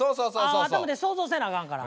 頭で想像せなあかんから。